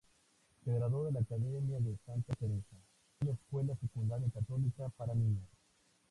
Se graduó de la Academia de Santa Teresa, una escuela secundaria católica para niñas.